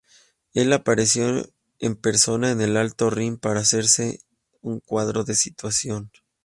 Él apareció en persona en el Alto Rin para hacerse un cuadro de situación.